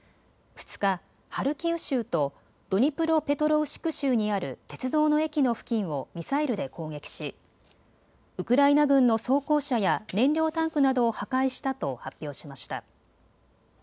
２日、ハルキウ州とドニプロペトロウシク州にある鉄道の駅の付近をミサイルで攻撃し、ウクライナ軍の装甲車や燃料タンクなどを破壊したと発表しました。